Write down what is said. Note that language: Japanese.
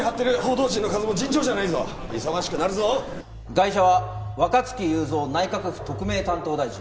ガイシャは若槻有造内閣府特命担当大臣。